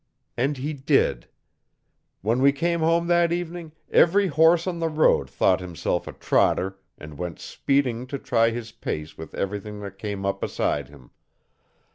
And he did. When we came home that evening every horse on the road thought himself a trotter and went speeding to try his pace with everything that came up beside him.